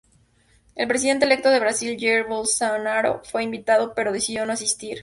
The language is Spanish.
El presidente electo de Brasil Jair Bolsonaro fue invitado, pero decidió no asistir.